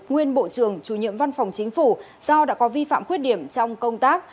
nguyên bộ trưởng chủ nhiệm văn phòng chính phủ do đã có vi phạm khuyết điểm trong công tác